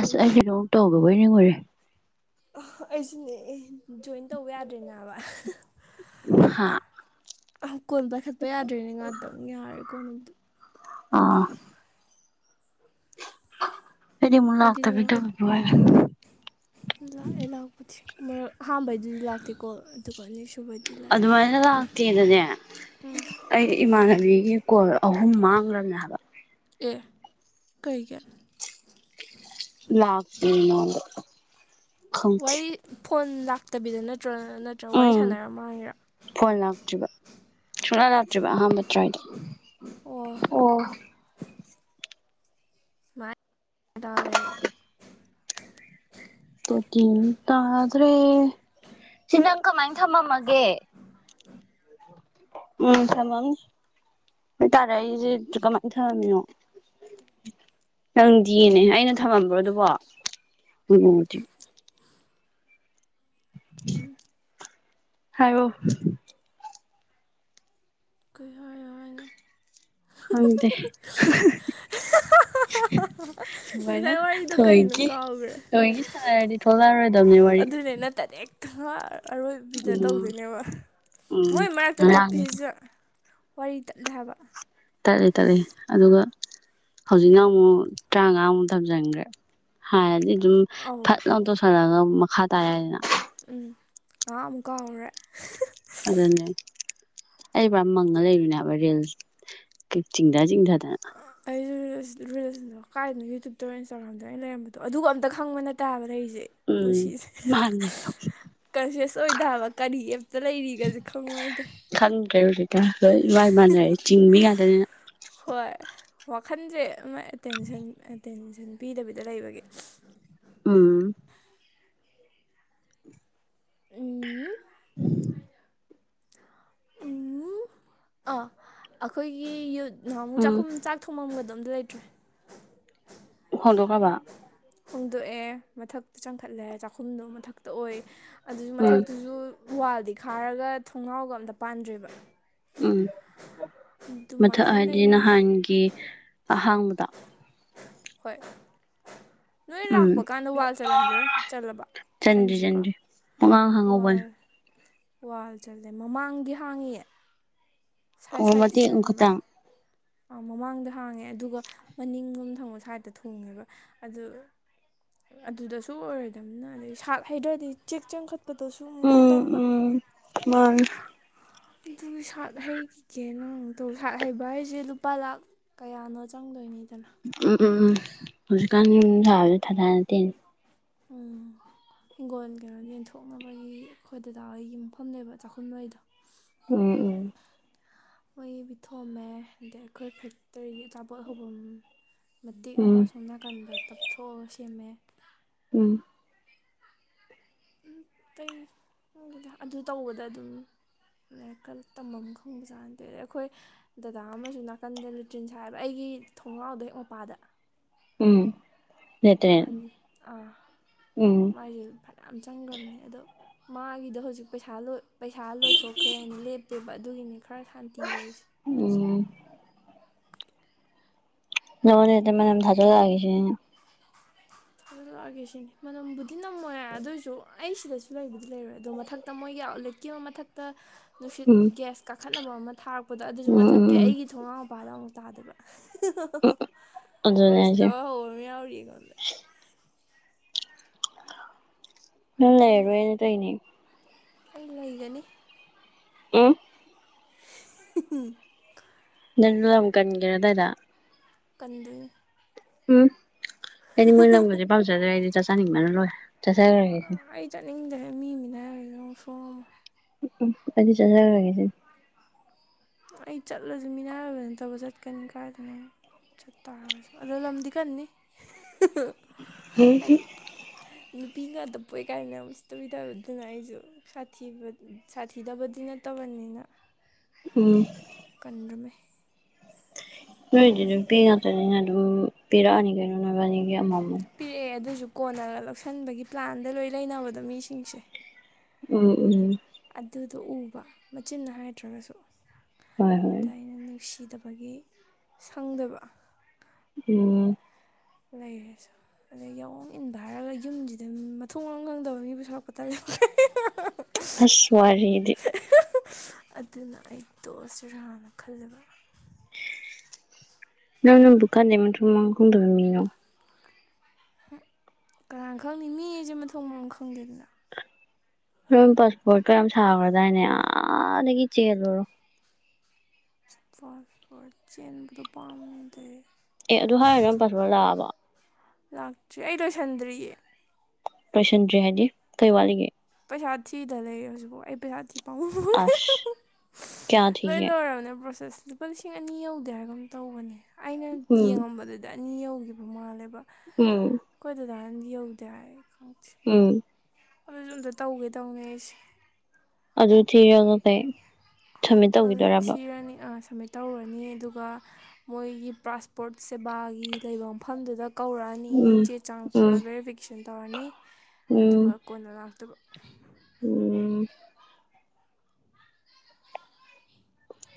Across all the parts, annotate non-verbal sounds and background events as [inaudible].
ꯑꯁ ꯑꯩꯖꯤ ꯌꯣꯛ ꯇꯧꯒꯕꯣꯏ ꯅꯤꯡꯉꯨꯔꯦ꯫ ꯑꯩꯁꯨꯅꯦ꯫ ꯖꯣꯏꯟ ꯇꯧꯕ ꯌꯥꯗ꯭ꯔꯦꯅꯦ ꯍꯥꯏꯕ ꯍꯥ [unintelligible] ꯀꯣꯟ ꯄꯥꯏꯈꯠꯄ ꯌꯥꯗ꯭ꯔꯤꯅꯦ ꯉꯥꯛꯇꯪ ꯌꯥꯔꯦ ꯀꯣꯟꯅ ꯑꯃꯨꯛ꯫ ꯑꯥ ꯑꯩꯗꯤ ꯑꯃꯨꯛ ꯑꯩꯗꯤꯅꯦ ꯂꯥꯛꯇꯕꯤ [unintelligible] ꯂꯥꯛꯑꯦ ꯂꯥꯛꯄꯗꯤ꯫ ꯃꯔꯛ ꯑꯍꯥꯟꯕꯩꯗꯨꯗꯤ ꯂꯥꯛꯇꯦꯀꯣ ꯑꯗꯨꯒ ꯑꯅꯤꯁꯨ ꯑꯗꯨꯃꯥꯏꯅ ꯂꯥꯛꯇꯦꯅꯅꯦ ꯑꯩ ꯏꯃꯥꯟꯅꯕꯤꯒꯤ ꯀꯣꯜ ꯑꯍꯨꯝ ꯃꯥꯡꯒ꯭ꯔꯕꯅꯦ ꯍꯥꯏꯕ꯫ ꯑꯦ ꯀꯩꯒꯤ꯫ ꯂꯥꯛꯇꯦ ꯈꯪꯗꯦ ꯋꯥꯔꯤ ꯐꯣꯟ ꯂꯥꯛꯇꯕꯤꯗ ꯅꯠ ꯎꯝ ꯐꯣꯟ ꯂꯥꯛꯇ꯭ꯔꯤꯕ ꯁꯨꯡꯂꯥꯛ ꯂꯥꯛꯇ꯭ꯔꯤꯕ ꯑꯍꯥꯟꯕ ꯇ꯭ꯔꯥꯏꯗꯣ ꯑꯣ [unintelligible] ꯇꯣꯀꯤꯡ ꯇꯥꯗ꯭ꯔꯦ ꯁꯤ ꯅꯪ ꯀꯃꯥꯏ ꯊꯝꯃꯝꯃꯒꯦ꯫ ꯎꯝ ꯊꯝꯃꯝꯅꯤ [unintelligible] ꯑꯩꯖꯦ ꯀꯃꯥꯏꯅ ꯊꯝꯃꯝꯃꯤꯅꯣ ꯈꯪꯗꯦꯅꯦ ꯑꯩꯅ ꯊꯝꯃꯝꯕ꯭ꯔꯣ ꯑꯗꯨꯕꯣ꯫ [unintelligible] ꯍꯥꯏꯌꯣ꯫ ꯀꯩ ꯍꯥꯏꯌꯣ ꯍꯥꯏꯅꯣ꯫ ꯈꯪꯗꯦ [unintelligible] ꯁꯨꯃꯥꯏꯅ ꯉꯁꯥꯏ ꯋꯥꯔꯤꯗꯣ ꯀꯩꯅꯣ ꯊꯑꯣꯏꯀꯤ ꯀꯥꯎꯈ꯭ꯔꯦ ꯊꯑꯣꯏꯀꯤ ꯁꯥꯟꯅꯔꯗꯤ ꯊꯣꯛꯂꯛꯑꯔꯣꯗ ꯑꯗꯨꯅꯦ ꯅꯩꯠꯇꯗꯦꯛ ꯊꯥ ꯑꯔꯣꯏꯕꯤꯗ ꯎꯝ ꯇꯧꯗꯣꯏꯅꯦꯕ ꯎꯝ ꯃꯣꯏ ꯃꯔꯛꯇ ꯉꯔꯥꯡꯗꯤ ꯇꯠꯄꯤꯁꯤꯁꯨ ꯋꯥꯔꯤ ꯇꯠꯂꯦ ꯍꯥꯏꯕ꯫ ꯇꯠꯂꯤ ꯇꯠꯂꯤ ꯑꯗꯨꯒ ꯍꯧꯖꯤꯛꯅ ꯑꯃꯨꯛ ꯇꯔꯥꯃꯉꯥ ꯑꯃꯨꯛ ꯊꯝꯖꯟꯒ꯭ꯔꯦ꯫ ꯍꯥꯅꯗꯤ ꯑꯗꯨꯝ ꯑꯧ ꯐꯠꯂꯥꯎ ꯇꯧꯁꯜꯂꯒ ꯃ ꯃꯈꯥ ꯇꯥ ꯌꯥꯏꯗꯅ꯫ ꯎꯝ ꯉꯍꯥꯛ ꯑꯃꯨꯛ ꯀꯥꯎꯔꯨꯔꯦ [unintelligible] ꯑꯗꯨꯅꯦ ꯑꯩ ꯐꯅ ꯃꯪꯑ ꯂꯩꯔꯨꯔꯤꯅꯦ ꯍꯥꯏꯕ ꯔꯤꯜꯁ ꯆꯤꯡꯗ ꯆꯤꯡꯗꯗꯅ꯫ ꯑꯩꯁꯨ ꯔꯤꯜꯁ ꯔꯤꯜꯁꯗꯣ ꯀꯥꯏꯗꯅꫭ ꯌꯨꯇꯨꯨꯞꯇ ꯏꯟꯁꯇꯥꯒ꯭ꯔꯥꯝꯗ ꯑꯩꯅ ꯂꯩꯔꯝꯕꯗꯣ ꯑꯗꯨꯒ ꯑꯝꯇ ꯈꯪꯕ ꯅꯠꯇꯦ ꯍꯥꯏꯕ ꯂꯩꯔꯤꯁ ꯖꯤꯛ ꯎꯝ ꯄꯨꯟꯁꯤꯁꯦ ꯃꯥꯅꯦ ꯀꯟꯁꯤꯁ ꯑꯣꯏꯗꯦ ꯍꯥꯏꯕ ꯀꯔꯤ ꯑꯦꯞꯇ ꯂꯩꯔꯤꯒꯁꯦ ꯈꯪꯕ ꯅꯠꯇꯦ꯫ ꯍꯣꯏ ꯏꯃ ꯏꯃꯥꯟꯅꯔꯦ ꯆꯤꯡꯕꯤ ꯉꯥꯛꯇꯅꯤꯅ꯫ ꯍꯣꯏ ꯋꯥꯈꯟꯖꯦ ꯑꯃ ꯑꯦꯇꯦꯟꯁꯟ ꯑꯦꯇꯦꯟꯁꯟ ꯄꯤꯗꯕꯤꯗ ꯂꯩꯕꯒꯤ꯫ ꯎꯝ꯫ ꯎꯝ [unintelligible] ꯑꯥ ꯑꯩꯈꯣꯏꯒꯤ ꯅꯍꯥꯨꯃꯨꯛ ꯎꯝ ꯆꯥꯛꯈꯨꯝ ꯆꯥꯛ ꯊꯣꯡꯉꯝꯒ ꯑꯣꯝꯇ ꯂꯩꯇ꯭ꯔꯦ ꯍꯣ ꯇ ꯀꯥꯕ ꯍꯣꯡꯗꯣꯛꯑꯦ ꯃꯊꯛꯇ ꯆꯪꯈꯠꯂꯦ ꯆꯥꯛꯈꯨꯝꯗꯣ ꯃꯊꯛꯇ ꯑꯣꯏ ꯑꯗꯨꯒꯤ ꯎꯝ ꯃꯊꯛꯇꯨꯁꯨ ꯋꯥꯜꯗꯤ ꯈꯥꯔꯒ ꯊꯣꯡꯅꯥꯎꯒ ꯑꯝꯇ ꯄꯥꯟꯗ꯭ꯔꯦꯕ ꯎꯝ ꯃꯊꯛ ꯑꯗꯨꯃꯥꯏꯅ ꯍꯥꯏꯗꯤ ꯂꯩ ꯅꯍꯥꯟꯒꯤ ꯑꯍꯥꯡꯕꯗ ꯍꯣꯏ ꯅꯣꯏ ꯎꯝ ꯂꯥꯛꯄ ꯀꯥꯟꯗ ꯋꯥꯜ ꯆꯜꯂꯝꯒꯦꯔꯣꯏ ꯆꯜꯂꯕ ꯆꯟꯗ꯭ꯔꯤ ꯆꯟꯗ꯭ꯔꯤꯀꯣ ꯆꯟꯗ꯭ꯔꯤ ꯄꯉꯥꯡ ꯍꯪꯍꯧꯕꯅꯦ ꯋꯥꯜ ꯋꯥꯜ ꯆꯠꯂꯦ ꯃꯃꯥꯡꯗꯤ ꯍꯥꯡꯉꯤꯦ ꯑꯣꯃꯗꯤꯇ ꯈꯔ ꯇꯟ ꯃꯃꯥꯡꯗ ꯍꯥꯡꯉꯦ ꯑꯗꯨꯒ ꯃꯅꯤꯡꯒꯨꯝ ꯊꯪꯕꯣ ꯁ꯭ꯥꯏꯠꯇ ꯊꯣꯡꯉꯦꯕ ꯑꯗꯨ ꯑꯗꯨꯗꯁꯨ ꯑꯣꯏꯔꯣꯏꯗꯝꯕꯅ ꯑꯗꯩ ꯁꯥꯥꯛ ꯍꯩꯗ꯭ꯔꯗꯤ ꯆꯦꯛ ꯆꯪ ꯎꯝ ꯎꯝ ꯃꯥꯅꯤ ꯑꯗꯨ ꯁꯥꯔꯠ ꯍꯩꯈꯤꯒꯦ ꯅꯪ ꯇꯣ ꯁꯥꯔꯠ ꯍꯩꯕ ꯍꯥꯏꯁꯦ ꯂꯨꯄꯥ ꯂꯥꯛ ꯀꯌꯥꯅꯣ ꯆꯪꯗꯣꯏꯅꯤ ꯑꯝ ꯎꯝ ꯍꯧꯖꯤꯛꯀꯥꯟ ꯌꯨꯝ ꯁꯥꯕꯁꯨ ꯊꯥꯊ ꯅꯠꯇꯦꯅꯦ ꯎꯝ ꯍꯤꯡꯒꯣꯜ ꯀꯩꯅꯣ ꯌꯦꯟꯊꯣꯛꯅꯕꯒꯤ ꯑꯩꯈꯣꯏ ꯗꯗꯥ ꯑꯩꯒꯤ ꯃꯐꯝꯅꯦꯕ ꯆꯥꯛꯈꯨꯝꯂꯩꯗꯣ ꯎꯝ ꯎꯝ ꯃꯣꯏ ꯄꯤꯊꯣꯑꯝꯃꯦ ꯑꯗꯩ ꯑꯩꯈꯣꯏ ꯐꯦꯛꯇꯔꯤ ꯑꯆꯥꯄꯣꯠ ꯍꯐꯝꯝ ꯃꯇꯦꯛ ꯑꯃ ꯎꯝ ꯑꯁꯣꯝ ꯅꯥꯀꯟꯗ ꯇꯞꯊꯣꯛꯑꯒ ꯁꯦꯝꯃꯦ ꯎꯝ ꯎ ꯀ ꯑꯗꯨ ꯇꯧꯕꯗ ꯑꯗꯨꯝ ꯈꯔ ꯇꯝꯃꯝ ꯈꯪꯕꯖꯥꯅꯗꯦ ꯑꯗꯩ ꯑꯩꯈꯣꯏ ꯗꯗꯥ ꯑꯃꯁꯨ ꯅꯥꯀꯟꯗ ꯂꯨꯇ꯭ꯔꯤꯟ ꯁꯥ ꯍꯥꯏꯕ ꯑꯩꯒꯤ ꯊꯣꯡꯒꯥꯎꯗꯣ ꯑꯩ ꯃꯄꯥꯗ ꯎꯝ ꯂꯦꯇ꯭ꯔꯦꯟ ꯑꯍꯟ ꯑꯥ ꯎꯝ ꯃꯥꯏꯁꯨꯦ ꯐꯅꯌꯥꯝ ꯆꯪꯈ꯭ꯔꯕꯅꯦ ꯑꯗꯣ ꯃꯥꯒꯤꯗꯣ ꯍꯧꯖꯤꯛ ꯄꯩꯁꯥ ꯄꯩꯁꯥ ꯂꯣꯏꯊꯣꯛꯈ꯭ꯔꯦꯅ ꯂꯦꯞꯄꯦꯕ ꯑꯗꯨꯒꯤꯅꯤ ꯈꯔ ꯁꯥꯟꯇꯤ ꯂꯩꯔꯤꯁꯦ ꯎꯝ ꯅꯪ ꯍꯣꯔꯦꯜ [unintelligible] ꯊꯖꯜꯂꯛꯑꯒꯦ ꯁꯤꯅꯤ [unintelligible] ꯊꯗ ꯂꯛꯑꯒꯦ ꯁꯤꯅꯦ ꯃꯅꯝꯕꯨꯗꯤ ꯅꯝꯃꯣꯏ ꯑꯗꯨꯑꯣꯏꯔꯁꯨ ꯑꯩ ꯁꯤꯗꯁꯨ ꯂꯩꯕꯨꯗꯤ ꯂꯩꯔꯣꯏ ꯑꯗꯣ ꯃꯊꯛꯇ ꯃꯣꯏꯒꯤ ꯑꯥꯎꯠꯂꯦꯠꯀꯤ ꯑꯃ ꯃꯊꯛꯇ ꯅꯨꯡꯁꯤꯠ ꯎꯝ ꯒ꯭ꯌꯥꯁ ꯀꯥꯈꯠꯅꯕ ꯑꯃ ꯊꯥꯔꯛꯄꯗꯣ ꯑꯗꯨꯁꯨ ꯎꯝ ꯃꯊꯛꯀꯤ ꯎꯝ ꯑꯩꯒꯤ ꯊꯣꯡꯒꯥꯎ ꯏꯄꯥꯗ ꯑꯃꯨꯛ ꯇꯥꯗꯕ꯭ꯔꯥ ꯎꯝ ꯍꯣꯏ ꯑꯗꯨꯅꯦ ꯍꯥꯏꯁꯦ ꯏꯇꯕ ꯍꯧꯕ ꯑꯃ ꯌꯥꯎꯔꯤꯌꯦ ꯑꯩꯉꯣꯟꯗ ꯎ ꯑꯩꯅ ꯂꯩꯔꯔꯣꯏꯅ ꯇꯥꯏ ꯅꯦ ꯑꯩ ꯂꯩꯒꯅꯤ ꯎꯝ ꯎꯝ [unintelligible] ꯅꯪ ꯂꯝ ꯀꯟꯒꯦꯔꯥ ꯑꯗꯥꯏꯗ ꯀꯟꯗ ꯎꯝ ꯑꯦꯗꯤ ꯃꯣꯏ ꯂꯪꯕꯁꯦ ꯄꯥꯃꯖꯥꯗꯦ ꯆꯥꯅꯤꯡꯕ ꯅꯥ ꯂꯣꯏꯔꯦ ꯆꯥꯖꯈ꯭ꯔꯒꯦ ꯁꯤꯅꯤ ꯑꯩ ꯆꯇꯅꯤꯪꯗꯦ ꯑꯃꯤ ꯃꯤꯂꯥꯏꯔꯂꯣ ꯐꯣꯔꯝ ꯎ ꯑꯩꯗꯤ ꯆꯖꯥ ꯂꯦꯁꯤ ꯑꯩ ꯆꯠꯂꯁꯨ ꯃꯤꯅꯔꯕ ꯅꯠꯇꯧꯕ ꯆꯠꯀꯅꯤ ꯀꯥꯏꯗꯅ ꯆꯠ ꯇꯥꯔꯒꯁꯨ ꯑꯗꯣ ꯂꯝꯗꯤ ꯀꯅꯤ ꯑꯩ ꯄꯄꯤ ꯉꯗ ꯄꯣꯛꯣꯏ ꯀꯥꯏꯅ ꯇꯤꯗꯕ ꯑꯗꯨꯅ ꯑꯩꯁꯨꯤ ꯁꯥꯊꯤꯗꯕꯗꯤ ꯅꯠꯇꯕꯅꯤꯅ ꯎꯝ ꯀꯟꯃꯦ ꯅꯣꯏ ꯗꯤ ꯅꯨꯄꯤ ꯉꯛꯇꯅꯤꯅꯥ ꯗꯨꯝ ꯄꯤꯔꯀꯅꯤ ꯀꯩꯅꯣ ꯅꯕꯥꯅꯤꯒꯤꯌꯥ ꯃꯣꯃꯣ ꯄꯤꯔꯛꯑꯦ ꯑꯗꯨꯁꯨ ꯀꯣꯟꯅꯒ ꯂꯧꯁꯤꯟꯕꯒꯤ ꯄ꯭ꯂꯥꯟꯗ ꯂꯣꯏ ꯂꯩꯅꯕꯗꯣ ꯃꯤꯁꯤꯡꯁꯦ ꯎꯝ ꯎꯝ ꯑꯗꯨꯗꯣ ꯎꯕ ꯃꯆꯤꯟꯅ ꯍꯥꯏꯗ꯭ꯔꯒꯁꯨ ꯍꯣꯏ ꯍꯣꯏ ꯑꯗ ꯑꯩꯅ ꯅꯨꯡꯁꯤꯗꯕ ꯑꯒꯤ ꯁꯪꯗꯕ ꯎꯝ ꯂꯩꯔꯁꯨ ꯑꯗꯩ ꯌꯥꯑꯣꯣꯡ ꯏꯟꯕ ꯍꯥꯏꯔꯒ ꯌꯨꯝꯁꯤꯗ ꯃꯊꯣꯡ ꯑꯃ ꯉꯪꯗꯕ ꯃꯤꯕꯨ ꯁꯔꯛꯄ ꯇ ꯌꯥꯦ ꯑꯁꯋꯥꯔꯤꯗꯤ ꯑꯗꯨꯅ ꯑꯩ ꯇꯣꯛꯑꯁꯤꯔꯥꯅ ꯈꯜꯂꯕ ꯅꯪ ꯅ ꯕꯨ ꯀꯥꯟ ꯅ ꯁꯃꯥꯡ ꯀꯨꯝꯟꯗꯣꯏꯃꯤꯣ ꯀꯅꯥꯅ ꯈꯪꯅꯤ ꯃꯤ ꯑꯩꯁꯦ ꯃ ꯊꯣꯡ ꯃꯔꯝ ꯈꯪꯗꯦꯗꯅ ꯅ ꯄꯥꯁꯄꯣꯔꯠ ꯀ ꯌꯥꯝ ꯁꯥꯈ꯭ꯔꯗꯥꯏꯅꯦ ꯑꯥꯗꯒꯤ ꯆꯦꯜꯂꯨꯔꯣ ꯐꯥꯁꯐꯣꯔꯗ ꯆꯦꯟꯕꯗ ꯄꯥꯝꯅꯗ ꯑꯦ ꯑꯗꯨ ꯍꯥꯏꯔꯅ ꯄꯊꯣꯔ ꯂꯥꯛꯑꯕ ꯂꯥꯛꯇ꯭ꯔꯤ ꯑꯩ ꯂꯣꯏꯁꯟꯗ꯭ꯔꯤꯌꯦ ꯂꯣꯏꯁꯟꯗ꯭ꯔꯤ ꯍꯥꯏꯗꯤ ꯀꯩ ꯋꯥꯠꯂꯤꯒꯦ ꯄꯩꯁꯥ ꯊꯤꯗꯅ ꯂꯩ ꯍꯧꯖꯤꯛꯐꯥꯎ ꯑꯩ ꯄꯩꯁꯥ ꯊꯤ ꯄ ꯑꯁ ꯀꯌꯥ ꯂꯣꯏ ꯊꯤꯒꯦ ꯂꯔ ꯄ ꯂꯨꯄꯥ ꯂꯤꯁꯤꯡ ꯑꯅꯤ ꯌꯧꯗꯦ ꯍꯥꯏꯔꯒ ꯑꯃ ꯇꯧꯕꯅꯦ ꯑꯩꯅ ꯎꯝ ꯌꯦꯡꯉꯝꯕꯗꯨꯗ ꯑꯅꯤ ꯌꯧꯈꯤꯕ ꯃꯥꯜꯂꯦꯕ ꯎꯝ ꯟ ꯌꯧꯒꯗ ꯍꯥꯏ ꯈ ꯎꯝ ꯑꯗꯨꯁꯨ ꯎꯃꯗꯥꯠ ꯇꯧꯒꯦ ꯇꯧꯅꯦ ꯑꯩꯁꯦ ꯑꯗꯨ ꯊꯤꯔꯒꯥ ꯂꯩ ꯁꯃꯤꯠ ꯇꯧꯒꯤꯗꯣꯔꯕ ꯁꯨꯃꯥꯏ ꯇꯧꯔꯔꯅꯤ ꯑꯗꯨꯒ ꯃꯣꯏꯒꯤ ꯄ꯭ꯔꯥꯁꯄꯣꯔꯠ ꯁꯦꯕꯥꯒꯤ ꯂꯩꯕ ꯃꯐꯝꯗꯨꯗ ꯀꯧꯔꯛꯑꯅꯤ ꯎꯝ ꯆꯦ ꯆꯥꯡ ꯎꯝ ꯄꯨꯔꯒ ꯕꯦꯔꯤꯐꯤꯀꯦꯁꯟ ꯕꯤꯅ ꯇꯧꯔꯅꯤ ꯎꯝ ꯑꯗꯨꯒ ꯀꯣꯅ ꯂꯥꯛꯇꯨꯕ [inaudible] ꯎꯝ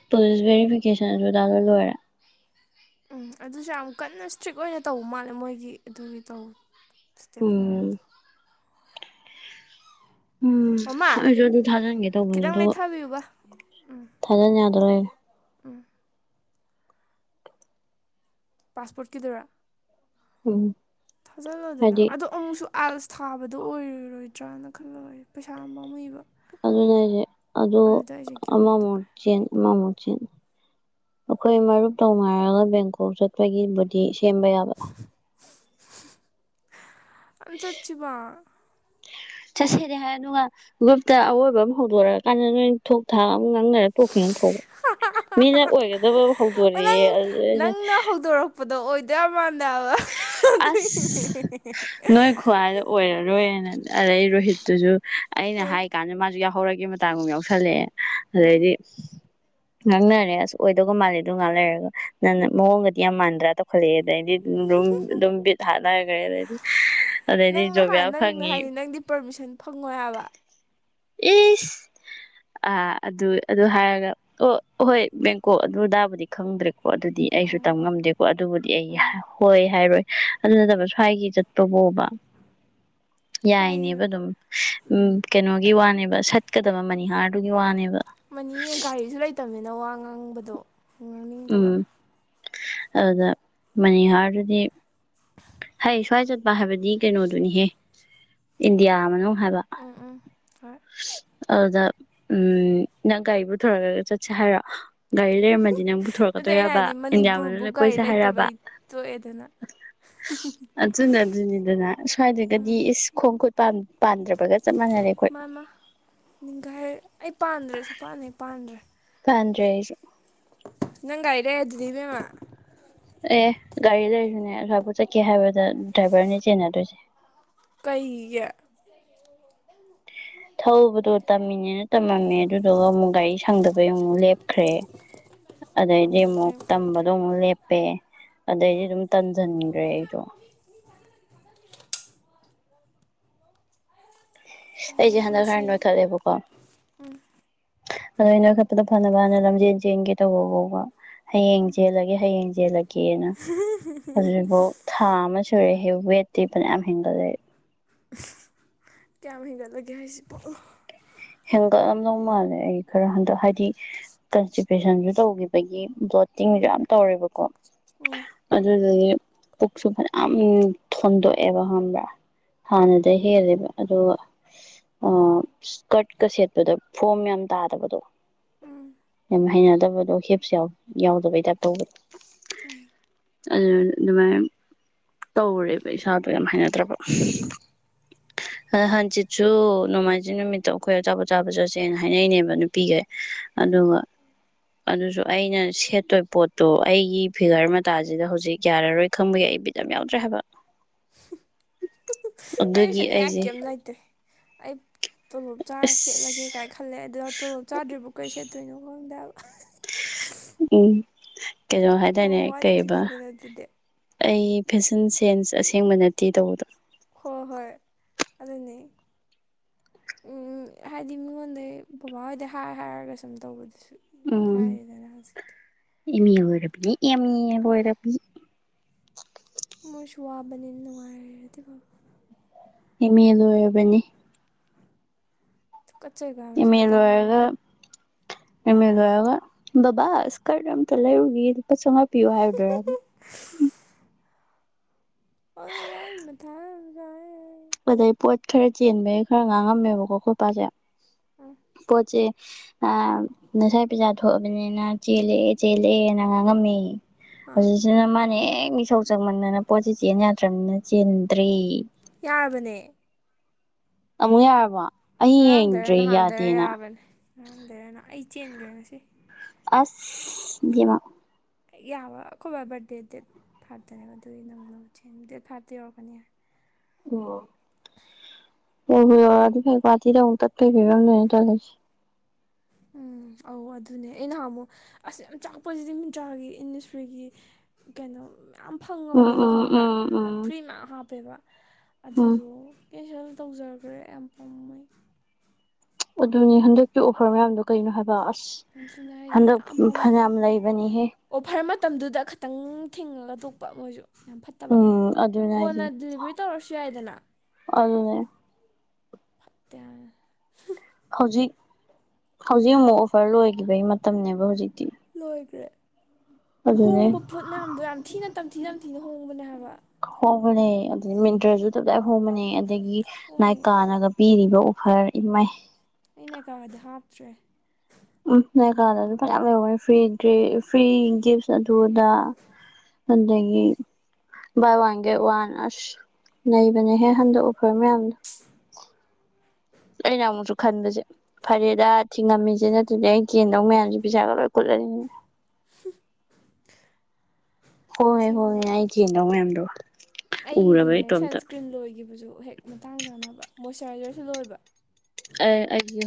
ꯄꯨꯂꯤꯁ ꯚꯦꯔꯤꯐꯤꯀꯦꯁꯟꯁꯨ ꯇꯗ ꯂꯣꯏꯔꯦ ꯎꯝ ꯑꯗꯨꯁꯨ ꯌꯥꯝ ꯀꯟꯅ ꯏꯁꯇ꯭ꯔꯤꯛ ꯑꯣꯏꯅ ꯇꯧꯕ ꯃꯥꯜꯂꯦ ꯃꯣꯏꯒꯤ ꯑꯗꯨꯒꯤ ꯇꯧ ꯏꯁꯇꯦꯄ ꯎꯝ ꯃꯌꯥꯃꯗꯤ ꯎꯝ ꯃꯃꯥ ꯑꯩꯁꯨ ꯑꯗꯨ ꯊꯥꯖꯤꯟꯒꯦ ꯇꯧꯕꯅꯦ ꯈꯤꯇꯪ ꯑꯗꯨꯒ ꯂꯩꯊꯕꯤꯌꯨꯕ ꯊꯥꯖꯟ ꯌꯗ ꯗꯣꯔꯣꯌꯦ ꯎꯝ ꯄꯥꯁꯄꯣꯔꯠ ꯀꯗꯔ ꯎꯝ ꯊꯥꯖꯤꯜꯂꯣꯗꯅ ꯍꯥꯏꯗꯤ ꯑꯗꯣ ꯑꯃꯨꯛꯁꯨ ꯑꯥꯜꯁ ꯊꯥꯕꯗꯣ ꯑꯣꯏꯔꯔꯣꯏꯗ꯭ꯔꯅ ꯈꯜꯂꯔꯦ ꯄꯩꯁꯥ ꯑꯃꯥ ꯃꯥꯃꯨꯏꯕ ꯑꯗꯨꯅꯤꯍꯥꯏꯁꯤ ꯑꯗꯨ ꯒꯤꯞ ꯑꯃ ꯑꯞ ꯃꯨꯛ ꯇꯧꯔꯦ ꯆꯦꯟ ꯑꯃ ꯃꯨꯛ ꯆꯤꯟ ꯑꯥꯈꯣꯏ ꯃꯔꯨꯞ ꯇꯧꯅꯔꯒ ꯕꯦꯡꯀꯣꯛ ꯆꯠꯄꯒꯤꯕꯨꯗꯤ ꯀꯦꯝꯕ ꯌꯥꯕ ꯑꯝ ꯆꯠꯁꯤꯕ ꯆꯠꯁꯤꯗꯤ ꯍꯥꯏ ꯑꯗꯨꯒ ꯒꯔꯨꯞꯇ ꯑꯋꯣꯏꯕ ꯑꯃ ꯍꯧꯗꯣꯔꯛꯑ ꯀꯥꯟꯗ ꯅꯣꯏ ꯊꯣꯛ ꯊꯥꯛ ꯉꯥꯡꯅꯔꯒꯥ ꯇꯣꯛꯈꯤꯅꯇꯔꯣ ꯃꯤꯅ ꯑꯣꯏꯒꯗꯕ ꯑꯃꯥ ꯅꯪ ꯍꯧꯗꯣꯔꯤꯑ ꯑꯗꯨꯗꯩꯩꯗ ꯗꯦꯕꯟ ꯑꯁ ꯅꯣꯏ ꯈꯨꯍꯥꯏꯗꯣ ꯑꯣꯏꯔꯔꯣꯏꯅ ꯑꯗꯩ ꯔꯣꯍꯤꯠ ꯇꯨꯁꯨ ꯑꯩꯅ ꯍꯥꯏ ꯀꯥꯟꯗ ꯃꯥꯁꯨ ꯌꯥꯎꯍꯧꯔꯒꯦ ꯒꯤ ꯃꯇꯥꯡꯒꯨꯝ ꯌꯥꯎꯁꯜꯂꯛꯑꯦ ꯑꯗꯩꯗꯤ ꯉꯥꯡꯅꯔꯦ ꯑꯁ ꯑꯣꯏꯗꯒ ꯃꯥꯜꯂꯦ ꯑꯗꯨ ꯉꯥꯡ ꯂꯩꯔꯒ ꯅꯡ ꯃꯑꯣꯡꯒꯗꯤ ꯌꯥꯝ ꯃꯥꯟꯗ꯭ꯔꯥ ꯇꯧꯈꯠꯂꯛꯑꯦ ꯑꯗꯩꯗꯤ ꯑꯗꯨꯝ ꯑꯗꯨꯝ ꯕꯤꯠ ꯍꯥꯥꯟꯅꯈ꯭ꯔꯦ ꯑꯗꯩꯗꯤ ꯑꯗꯩꯗꯤ ꯖꯣꯕꯌꯥ ꯐꯉꯤ ꯐꯉꯣꯏ ꯍꯥꯏꯕ ꯏꯁ ꯑ ꯑꯗꯨ ꯑꯗꯨ ꯍꯥꯏꯔꯒ ꯑꯣ ꯍꯣꯏ ꯕꯦꯡꯀꯣꯛ ꯑꯗꯨ ꯑꯗꯥꯕꯨꯗꯤ ꯈꯡꯗ꯭ꯔꯦ ꯀꯦ ꯑꯗꯨꯗꯤ ꯑꯩꯁꯨ ꯇꯝ ꯉꯝꯗꯦꯀꯣ ꯑꯗꯨꯕꯨꯗꯤ ꯑꯩ ꯎꯝ ꯍꯣꯏ ꯍꯥꯏꯔꯣꯏ ꯑꯗꯨ ꯅꯠꯇꯕ ꯁ꯭ꯋꯥꯏꯒꯤ ꯆꯠꯄ ꯄꯣꯕ ꯉꯁꯥꯏꯒꯤ ꯌꯥꯏꯅꯦꯕ ꯑꯗꯨꯝ ꯎꯝ ꯀꯩꯅꯣ ꯋꯥꯅꯦꯕ ꯁꯠꯀꯗꯕ ꯃꯅꯤꯍꯥꯔꯗꯨꯒꯤ ꯋꯥꯅꯦꯕ ꯃꯅꯤ ꯒꯥꯔꯤꯁꯨ ꯂꯩꯇꯕꯅꯤꯅ ꯋꯥ ꯉꯥꯡꯕꯗꯣ ꯉꯥꯡꯅꯤꯡꯗꯕ ꯎꯝ ꯑꯗꯨꯗ ꯃꯅꯤꯍꯥꯔꯗꯨꯗꯤ ꯍ ꯁ꯭ꯋꯥꯏ ꯆꯠꯄ ꯍꯥꯏꯕꯗꯤ ꯀꯩꯅꯣꯗꯨꯅꯤꯍꯦ ꯏꯟꯗꯤꯌꯥ ꯃꯅꯨꯡ ꯍꯥꯏꯕ ꯎꯝ ꯎꯝ ꯍꯣꯏ ꯑꯗꯨꯗ ꯎꯝ ꯅꯪ ꯒꯥꯔꯤ ꯄꯨ ꯊꯣꯔꯛꯂꯒ ꯆꯠꯁꯦ ꯍꯥꯏꯔꯣ ꯒꯥꯔꯤ ꯂꯩꯔꯝꯃꯗꯤ ꯅꯪ ꯅꯠꯇꯦ ꯑꯩꯅ ꯄꯨꯊꯣꯔꯛꯀꯗꯣꯏꯔꯕ ꯍꯥꯏꯗꯤ ꯏꯟꯗꯤꯌꯥ ꯃꯅꯤꯄꯨꯔꯕꯨ ꯃꯅꯨꯡꯗ ꯒꯥꯔꯤ ꯀꯣꯏꯁꯦ ꯍꯥꯏꯔꯕ ꯂꯩꯇꯕꯩ ꯇꯣꯛꯑꯦꯗꯅ ꯑꯗꯨꯅ ꯑꯗꯨꯅꯤꯗꯅ ꯁ꯭ꯋꯥꯏꯗ꯭ꯔꯒꯗꯤ ꯎꯝ ꯑꯦ ꯀꯣꯏ ꯄꯥꯝ ꯄꯥꯟꯗ꯭ꯔꯕꯒ ꯆꯞ ꯃꯥꯟꯅꯔꯦ ꯑꯩꯈꯣꯏ ꯃꯥ ꯄꯥꯟꯗ꯭ꯔꯦꯁꯨ ꯄꯥꯟꯅꯩ ꯄꯥꯟꯗ꯭ꯔꯦ ꯀꯗꯦ ꯅꯪ ꯉꯥꯏꯔꯦ ꯑꯗꯨꯗꯤ ꯃꯦꯝꯃ ꯑꯦ ꯒꯥꯔꯤ ꯂꯩꯁꯨꯅꯦ ꯑꯗꯨꯕꯠ ꯆꯠꯀꯦ ꯍꯥꯏꯕꯗ ꯗ꯭ꯔꯥꯏꯚꯔꯅꯦ ꯆꯦꯟꯅꯗꯣꯏꯁꯦ ꯀꯩꯒ ꯊꯧꯕꯗꯣ ꯇꯝꯃꯤꯅꯦꯅ ꯇꯝꯃꯝꯃꯦ ꯑꯗꯨꯗꯨꯒ ꯑꯃꯨꯛ ꯒꯥꯔꯤ ꯁꯪꯗꯕꯩ ꯑꯃꯨꯛ ꯂꯦꯞꯈ꯭ꯔꯦ ꯑꯗꯩꯗꯤ ꯑꯃꯨꯛ ꯇꯝꯕꯗꯣ ꯑꯃꯨꯛ ꯂꯦꯞꯄꯦ ꯑꯗꯩꯗꯤ ꯑꯗꯨꯝ ꯇꯟꯁꯤꯟꯈ꯭ꯔꯦ ꯑꯩꯁꯨ ꯑꯩꯖꯗ ꯈꯔ ꯄꯨꯟꯁꯤ ꯅꯣꯏꯊ ꯂꯩꯕꯣꯀꯣ ꯑꯗꯣ ꯑꯩꯅꯈꯠꯄꯗ ꯐꯅꯕꯅ ꯂꯝꯖꯦꯟ ꯆꯦꯟꯒꯦ ꯇꯧꯕ ꯐꯕ ꯍꯌꯦꯡ ꯆꯦꯜꯂꯗꯒꯤ ꯍꯌꯦꯡꯁꯦ ꯦ ꯦꯅ ꯑꯗꯨꯕꯨ ꯊꯥ ꯑꯃ ꯔꯦ ꯍꯦꯋꯦ ꯌꯥꯝ ꯍꯦꯟꯒꯥꯜ ꯂꯩ ꯀꯌꯥꯝ ꯍꯦꯟꯒꯠꯂꯒꯦ ꯍꯥꯏꯁꯤꯕꯣ ꯍꯦꯟꯒꯠꯂꯝ ꯂꯧꯧ ꯃꯥꯜꯂꯦ ꯑꯩ ꯈꯔ ꯍꯟꯗꯛ ꯍꯥꯏꯗꯤ ꯀꯟꯇꯤꯄꯦꯁꯟꯁꯨ ꯇꯧꯈꯤꯕꯒꯤ ꯕꯣꯠꯇꯤꯡꯁꯨ ꯌꯥꯝ ꯇꯧꯔꯦꯕꯀꯣ ꯎꯝ ꯑꯗꯨꯗꯒꯤ ꯄꯣꯛꯆꯨ ꯐ ꯊꯟꯗ ꯑꯦ ꯑꯃ ꯍꯥꯟꯅꯗ ꯍꯦꯜꯂꯦꯕ ꯑꯗꯣ ꯀꯠꯀ ꯁꯦꯠꯄꯗ ꯐꯣꯝ ꯌꯥꯝꯅ ꯇꯥꯗꯕꯗꯣ ꯎꯝ ꯌꯥꯝ ꯍꯩꯅꯗꯕꯗꯣ ꯍꯦꯞꯁꯨ ꯌꯥꯎꯗꯕꯩ ꯇꯥꯏꯞ ꯇꯧꯕꯗ ꯎꯝ ꯑꯗꯨ ꯑꯗꯨꯃꯥꯏꯅ ꯇꯧꯔꯦꯕ ꯏꯁꯥꯗꯣ ꯌꯥꯝ ꯍꯥꯏꯅꯗ꯭ꯔꯕ ꯑ ꯍꯪꯆꯤꯠꯁꯨ ꯅꯣꯡꯃꯥꯏꯖꯤꯡ ꯅꯨꯃꯤꯠ ꯑꯩꯈꯣꯏ ꯑꯞ ꯑꯥꯕ ꯆꯠꯁꯦꯅ ꯍꯥꯏꯅꯩꯅꯦꯕ ꯅꯨꯄꯤꯒꯩ ꯎꯝ ꯑꯗꯨꯒ ꯑꯗꯨꯁꯨ ꯑꯩꯅ ꯁꯦꯠꯇꯣꯏ ꯄꯣꯠꯇꯣ ꯑꯩꯒꯤ ꯐꯤꯒꯔ ꯃꯇꯥꯁꯤꯗ ꯍꯧꯖꯤꯛ ꯌꯥꯔꯔꯣꯏ ꯈꯪꯕꯒꯤ ꯑꯩ ꯄꯤꯠ ꯌꯥꯎꯗ꯭ꯔꯦ ꯍꯥꯏꯕ ꯑꯗꯨꯒꯤ ꯑꯩꯨꯁꯅꯤꯡꯉꯥꯏ ꯑꯩꯁꯦ ꯀꯩ ꯅꯨꯡꯉꯥꯏꯇ꯭ꯔꯦ ꯑꯩ ꯇꯣꯂꯣꯞ ꯆꯥꯔ ꯁꯦꯠꯂꯒꯦ ꯑꯁ ꯀꯥꯏ ꯈꯜꯂꯦꯗꯣ ꯇꯣꯂꯣꯞ ꯆꯥꯗ꯭ꯔꯤꯕ ꯀꯩ ꯁꯦꯠꯇꯣꯏꯅꯣ ꯈꯪꯗ [inaudible] ꯀꯩꯅꯣ ꯌꯥꯝ ꯍꯥꯏꯇꯥꯔꯅꯦ ꯀꯕ ꯋꯥꯠꯈꯤꯅꯤꯗꯅ ꯑꯗꯨꯗꯤ ꯑꯩ ꯐꯦꯁꯟ ꯁꯦꯟꯁ ꯑꯁꯦꯡꯕ ꯅꯠꯇꯦ ꯇꯧꯕꯗꯣ ꯍꯣꯏ ꯍꯣꯏ ꯑꯗꯨꯅꯤ ꯎꯝ ꯍꯥꯏꯗꯤ ꯃꯤꯉꯣꯟꯗꯩ ꯕꯕꯥꯍꯣꯏꯗꯩ ꯍꯥꯏꯔ ꯍꯥꯏꯔꯒ ꯁꯨꯝ ꯇꯧꯕꯗꯨꯁꯨ ꯎꯝ ꯀꯔꯗꯅ ꯍꯧꯖꯤꯗꯦ ꯑꯦ ꯑꯣꯏꯔ ꯑꯦ ꯌꯦ ꯑꯣꯏꯣꯏꯔꯦꯕ ꯃꯣꯏꯁꯨ ꯋꯥꯕꯅꯤꯅ ꯅꯨꯡꯉꯥꯏꯔꯔꯗꯤ ꯕꯕ ꯏꯃꯦ ꯂꯣꯏꯔꯕꯅꯤ ꯑꯗꯨꯨꯀꯠꯆꯕ ꯑꯃ ꯁꯛꯛꯇꯇꯥꯁꯤꯒ ꯕꯥ ꯁꯀꯔꯗ ꯂꯩꯔ ꯎꯄꯥ ꯆꯉ ꯄꯤꯣꯗꯔꯕ ꯑꯣ ꯌꯥꯏ ꯃꯊꯥ ꯌꯥ ꯑꯗꯩ ꯄꯣꯠ ꯈꯔ ꯆꯦꯟꯕꯒꯤ ꯈꯔ ꯉꯥꯡꯉꯝꯃꯦꯕꯀꯣ ꯈꯣꯠꯄꯁꯦ ꯄꯣ ꯆꯩꯦ ꯑ ꯉꯁꯥꯏ ꯄꯩꯖꯥ ꯊꯣꯛꯑꯕꯅꯤꯅ ꯆꯦꯜꯂꯛꯑꯦ ꯆꯦꯜꯂꯛꯑꯦꯅ ꯉꯥꯡꯉꯝꯃꯤ ꯑꯥ ꯍꯧꯖꯤꯁꯤꯅ ꯃꯥꯟ ꯃꯤꯁꯧ ꯆꯪꯃꯅꯅ ꯄꯣꯠꯁꯤ ꯆꯦꯟ ꯌꯥꯗ꯭ꯔꯕꯅꯤꯅ ꯆꯦꯟꯗ꯭ꯔꯤ ꯌꯥꯔꯕꯅꯦ ꯑꯃꯨꯛ ꯌꯥꯔꯕ ꯉꯔꯥꯡꯗꯔ ꯅꯍꯥꯟꯊꯔ ꯌꯥꯕꯅꯦ ꯉꯥꯡꯗꯔꯦꯅ ꯑꯩ ꯆꯦꯟꯈꯦꯔꯁꯤ ꯑꯁ ꯃ ꯌꯥꯕ ꯑꯩꯈꯣꯏꯕ ꯕꯥꯔꯗꯦ ꯗꯦꯠ ꯐꯥꯏꯚꯇꯅꯦꯕ ꯑꯗꯨꯒꯤ ꯅꯪꯅ ꯗꯦꯠ ꯐꯥꯏꯚꯇ ꯌꯧꯔꯛꯀꯅꯤ ꯑꯣ ꯎꯇꯔꯚ ꯆꯁꯤ ꯎꯝ ꯑꯧ ꯑꯗꯨꯅꯦ ꯑ ꯅꯍꯥꯟ ꯑꯃꯨꯛ ꯑꯁ ꯌꯥꯝ ꯆꯥꯛꯄꯁꯤꯗꯤ ꯃꯤꯟꯇ꯭ꯔꯥꯒꯤ ꯏꯗꯁꯇ꯭ꯔꯤꯒꯤ ꯀꯩꯅꯣ ꯌꯥꯝ ꯎꯝ ꯐꯪꯉꯝꯅꯦꯕ ꯎꯝ ꯈꯪꯕ꯭ꯔꯥ ꯎꯝ ꯎꯝ ꯐ꯭ꯔꯤ ꯃꯌꯥꯝ ꯍꯥꯞꯄꯦꯕ ꯎꯝ ꯑꯗꯨꯗꯣ ꯀꯦꯟꯁꯦꯜ ꯇꯧꯖꯈ꯭ꯔꯦ ꯌꯥꯝ ꯄꯥꯝꯃꯦꯩ ꯑꯗꯨꯅꯦ ꯍꯟꯗꯛꯀꯤ ꯑꯣꯐꯔ ꯃꯌꯥꯝꯗꯣ ꯀꯩꯅꯣ ꯍꯥꯏꯕ ꯑꯁ ꯌꯥꯝ ꯊꯨꯅꯔꯤꯁꯦ ꯍꯟꯗꯛ ꯌꯥꯝ ꯄꯥꯝꯃꯦ ꯐꯅꯌꯥꯝ ꯂꯩꯕꯅꯤꯍꯦ ꯑꯣꯐꯔ ꯃꯇꯝꯗꯨꯗ ꯈꯤꯇꯪ ꯊꯤꯉꯒ ꯇꯨꯞꯄ ꯃ ꯌꯥꯝ ꯐꯠꯇꯕ ꯎꯝ ꯑꯗꯨꯅꯦ ꯍꯥꯏꯁꯦ ꯀꯣꯟꯅ ꯗꯤꯂꯤꯚꯔꯤ ꯇꯧꯔꯁꯨ ꯌꯥꯏꯗꯅ ꯑꯗꯨꯅꯦ ꯐꯠꯇꯦ ꯍꯧꯖꯤꯛ ꯍꯧꯖꯤꯛ ꯑꯃꯨꯛ ꯑꯣꯐꯔ ꯂꯣꯏꯈꯤꯕꯒꯤ ꯃꯇꯝꯅꯦꯕ ꯍꯧꯖꯤꯛꯇꯤ ꯂꯣꯏꯗ꯭ꯔꯦ ꯑꯗꯨꯅꯦ ꯍꯣꯡꯕ ꯐꯨꯠ ꯃꯌꯥꯝꯗꯣ ꯌꯥꯝ ꯊꯤꯅ ꯇꯝꯊꯤ ꯇꯝꯊꯤꯅ ꯍꯣꯡꯕꯅꯦ ꯍꯥꯏꯕ ꯍꯣꯕꯅꯦ ꯑꯗꯨ ꯃꯤꯟꯇ꯭ꯔꯁꯨ ꯑꯍꯣ ꯃꯅꯦ ꯑꯗꯒꯤ ꯅꯥꯏ ꯍꯣꯡꯉꯦ ꯀꯥꯅꯒ ꯄꯤꯔꯤꯕ ꯑꯣꯐꯔ ꯏꯃꯥꯏ ꯇ꯭ꯔꯦ ꯎꯝ ꯀꯥꯗꯁꯨ ꯐꯌꯥꯝ ꯂꯩꯦ ꯐ꯭ꯔꯤ ꯐ꯭ꯔꯤ ꯒꯤꯐ ꯑꯗꯨꯗ ꯑꯗꯒꯤ ꯚꯥꯏ ꯋꯥꯒꯦ ꯋꯥ ꯅꯁ ꯂꯩꯕꯅꯦꯍꯦ ꯍꯟꯗꯛ ꯑꯣꯐꯔ ꯃꯌꯥꯝꯗꯣ ꯑꯩꯅ ꯑꯃꯨꯛꯁꯨ ꯈꯟꯕꯁꯦ ꯐꯔꯦꯗ ꯊꯤꯡꯉꯝꯃꯤꯁꯦ ꯅꯠꯇꯗꯤ ꯑꯩꯩꯅ ꯆꯦꯟꯗꯧ ꯃꯌꯥꯝꯁꯦ ꯄꯩꯁꯥꯒ ꯂꯣꯏ ꯀꯨꯠꯂꯅꯤꯅꯦ [inaudible] ꯍꯣꯏ ꯍꯣꯏ ꯑꯁꯦꯡꯕ ꯑꯩ ꯆꯦꯟꯗꯧ ꯃꯌꯥꯝꯗꯣ ꯎꯔꯕ ꯑꯩꯒꯤꯗꯤꯅꯦ ꯏꯇꯣꯝꯇ ꯁꯟꯁꯀ꯭ꯔꯤꯟ ꯂꯣꯏꯈꯤꯕꯁꯨ ꯍꯦꯛ ꯃꯇꯥꯡ ꯆꯥꯅꯕ ꯃꯣꯏꯆꯔꯥꯏꯖꯔꯁꯨ ꯂꯣꯏꯕ ꯑ ꯑꯦ